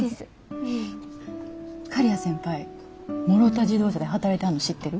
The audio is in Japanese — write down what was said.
刈谷先輩諸田自動車で働いてはんの知ってる？